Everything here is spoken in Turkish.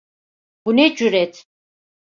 Bu ne cüret!